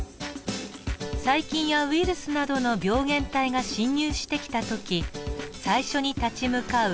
細菌やウイルスなどの病原体が侵入してきた時最初に立ち向かう